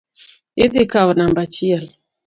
Idhi kawo namba achiel.